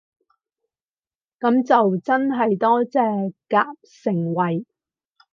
噉就真係多謝夾盛惠